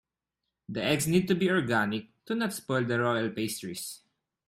The eggs need to be organic to not spoil the royal pastries.